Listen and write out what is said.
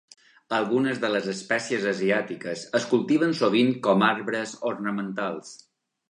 Algunes de les espècies asiàtiques es cultiven sovint com arbres ornamentals.